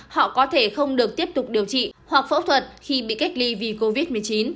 họ có thể không được tiếp tục điều trị hoặc phẫu thuật khi bị cách ly vì covid một mươi chín